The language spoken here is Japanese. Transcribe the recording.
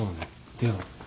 では。